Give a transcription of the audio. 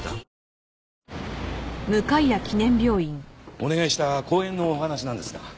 お願いした講演のお話なんですが。